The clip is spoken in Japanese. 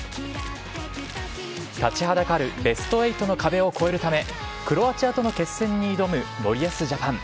立ちはだかるベスト８の壁を越えるため、クロアチアとの決戦に挑む森保ジャパン。